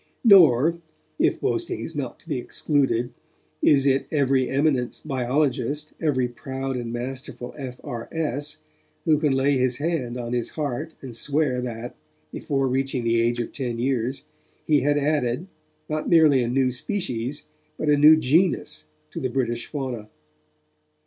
Nor, if boasting is not to be excluded, is it every eminent biologist, every proud and masterful F.R.S., who can lay his hand on his heart and swear that, before reaching the age of ten years, he had added, not merely a new species, but a new genus to the British fauna.